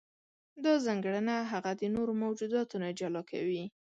دا ځانګړنه هغه د نورو موجوداتو نه جلا کوي.